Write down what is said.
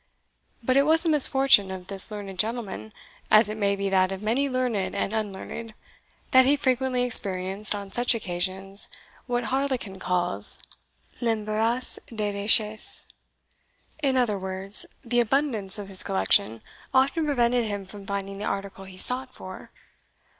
But it was the misfortune of this learned gentleman, as it may be that of many learned and unlearned, that he frequently experienced, on such occasions, what Harlequin calls l'embarras des richesses; in other words, the abundance of his collection often prevented him from finding the article he sought for.